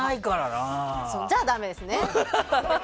じゃあ、だめですね。